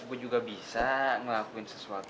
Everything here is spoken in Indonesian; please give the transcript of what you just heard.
aku juga bisa ngelakuin sesuatu buat lo